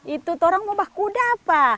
itu orang mau baku dapa